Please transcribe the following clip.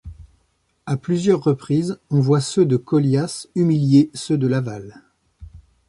À plusieurs reprises, on voit ceux de Collias humilier ceux de Laval.